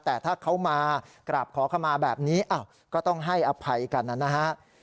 แต่ถ้าเขามากราบขอขมาแบบนี้อ้าวก็ต้องให้อภัยกันนั้นนะครับ